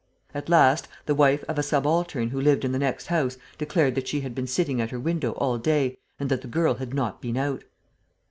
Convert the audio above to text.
At last, the wife of a subaltern who lived in the next house declared that she had been sitting at her window all day and that the girl had not been out.